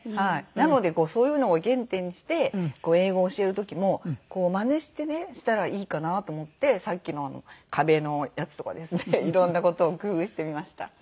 なのでそういうのを原点にして英語を教える時もこうマネしたらいいかなと思ってさっきの壁のやつとかですねいろんな事を工夫してみました。